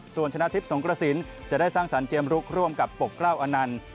ส่วนชนะทิพย์สงกระสินจะได้สร้างสรรค์ลุกร่วมกับปกเกล้าอนันต์